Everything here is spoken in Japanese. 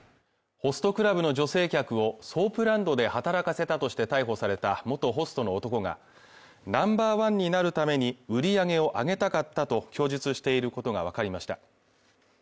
ホストクラブの女性客をソープランドで働かせたとして逮捕された元ホストの男がナンバーワンになるために売り上げを上げたかったと供述していることが分かりました